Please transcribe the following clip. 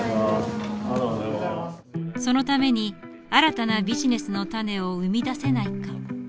そのために新たなビジネスの種を生み出せないか。